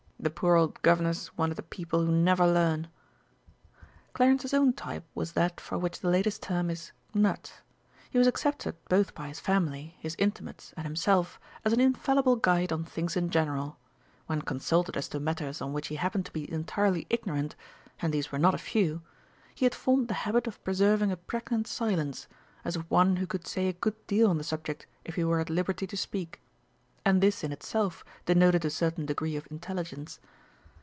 "The poor old governor's one of the people who never learn !" Clarence's own type was that for which the latest term is "knut." He was accepted both by his family, his intimates, and himself as an infallible guide on things in general. When consulted as to matters on which he happened to be entirely ignorant, and these were not a few he had formed the habit of preserving a pregnant silence, as of one who could say a good deal on the subject if he were at liberty to speak. And this in itself denoted a certain degree of intelligence.